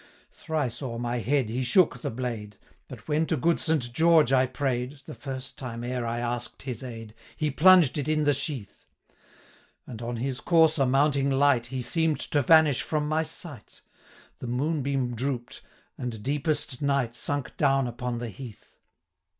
440 Thrice o'er my head he shook the blade; But when to good Saint George I pray'd, (The first time e'er I ask'd his aid), He plunged it in the sheath; And, on his courser mounting light, 445 He seem'd to vanish from my sight: The moonbeam droop'd, and deepest night Sunk down upon the heath.